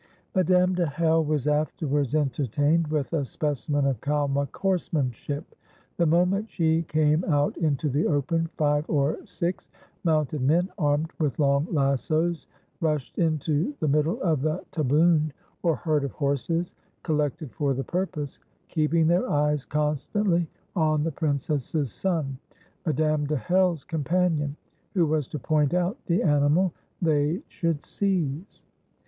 Madame de Hell was afterwards entertained with a specimen of Kalmuk horsemanship. The moment she came out into the open, five or six mounted men, armed with long lassoes, rushed into the middle of the taboon, or herd of horses, collected for the purpose, keeping their eyes constantly on the princess's son, Madame de Hell's companion, who was to point out the animal they should seize.